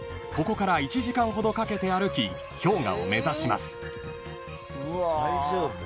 ［ここから１時間ほどかけて歩き氷河を目指します］